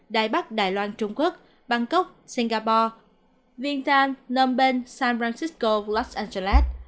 đài bắc đài loan trung quốc bangkok singapore vientiane nông bên san francisco los angeles